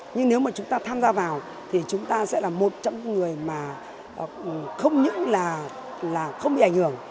nhưng nếu mà chúng ta tham gia vào thì chúng ta sẽ là một trong những người mà không những là không bị ảnh hưởng